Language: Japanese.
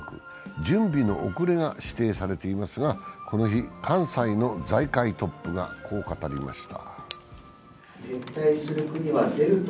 準備の遅れが指摘されていますがこの日、関西の財界トップがこう語りました。